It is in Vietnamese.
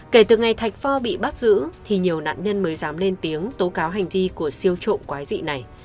kể từ ngày thạch phò bị bắt giữ thì nhiều nạn nhân mới dám lên tiếng tố cáo hành vi của siêu trộm quái dị này